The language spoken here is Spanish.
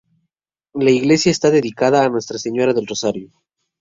La iglesia está dedicada a Nuestra Señora del Rosario.